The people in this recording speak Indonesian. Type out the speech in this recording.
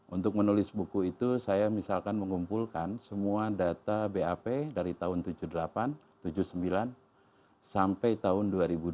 untuk menulis buku itu saya misalkan mengumpulkan semua data bap dari tahun seribu sembilan ratus tujuh puluh delapan tujuh puluh sembilan sampai tahun dua ribu dua puluh